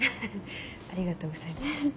ありがとうございます。